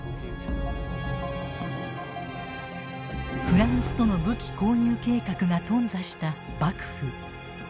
フランスとの武器購入計画が頓挫した幕府。